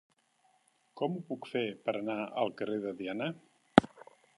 Com ho puc fer per anar al carrer de Diana?